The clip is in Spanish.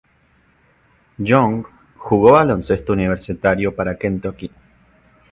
Young jugó baloncesto universitario para Kentucky.